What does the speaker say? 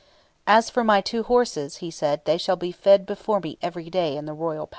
"As for my two horses," he said, "they shall be fed before me every day in the royal palace."